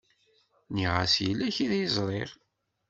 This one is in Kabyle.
Nniɣ-as yella kra i ẓriɣ.